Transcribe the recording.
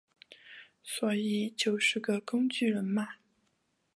所以就是个工具人嘛